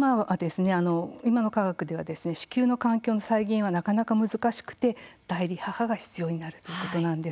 今の科学では子宮の環境の再現はなかなか難しくて代理母が必要になるということなんです。